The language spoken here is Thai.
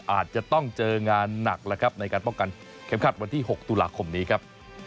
อาจจะต้องเจองานหนักแล้วครับในการป้องกันเข็มขัดวันที่๖ตุลาคมนี้ครับ